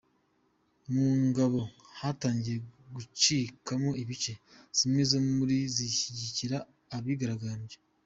Mu ngabo hatangiye gucikamo ibice, zimwe muri zo, zishyigikira abigaragambyaga.